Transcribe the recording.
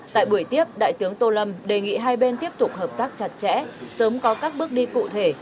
tại buổi tiếp đại tướng tô lâm đề nghị hai bên tiếp tục hợp tác chặt chẽ sớm có các bước đi cụ thể